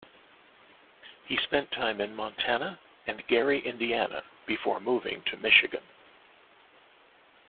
He spent time in Montana and Gary, Indiana before moving to Michigan.